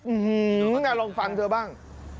อื้อหือน่าลองฟันเธอบ้าง